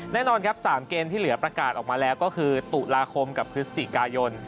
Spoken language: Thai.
แน่นอนครับ๓เกมที่เหลือประกาศออกมาแล้วก็คือตุลาคมกับพฤศจิกายน